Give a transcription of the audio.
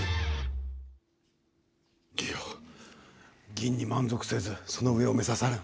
銀に満足せずその上を目指す。